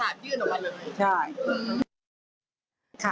ไม่มีเลยเป็นตัวกันซานยื่นออกมาเลย